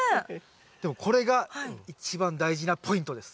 でもこれが一番大事なポイントです。